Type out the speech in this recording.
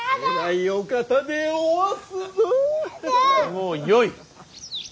もうよい。